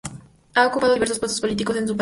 Ha ocupado diversos puestos políticos en su país.